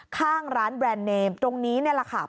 ข้างร้านแบรนด์เนมตรงนี้นี่แหละค่ะ